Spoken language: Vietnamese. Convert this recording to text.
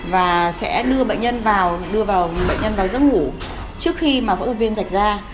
và sẽ đưa bệnh nhân vào giấc ngủ trước khi mà phẫu thuật viên rạch ra